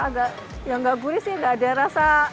agak ya nggak gurih sih nggak ada rasa